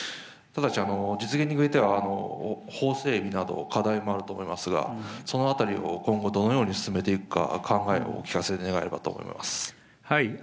ただし、実現に向けては法整備など、課題もあると思いますが、そのあたりを今後どのように進めていくか、考えをお聞かせ願えればと思います。